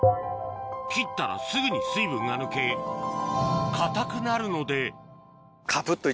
切ったらすぐに水分が抜け硬くなるので初めて。